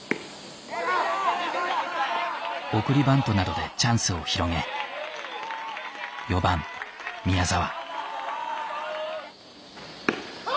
送りバントなどでチャンスを広げ４番宮澤。